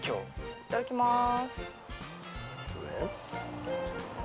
いただきます。